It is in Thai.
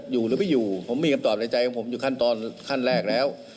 อยู่หรือไม่อยู่ผมมีคำตอบในใจของผมอยู่ขั้นตอนขั้นแรกแล้ว